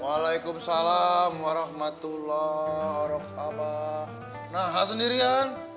waalaikumsalam warahmatullah warahmatullah nah hal sendirian